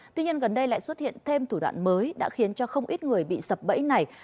tuy nhiên gần đây lại xuất hiện thêm thủ đoạn mới đã khiến cho không ít người bị sập bẫy này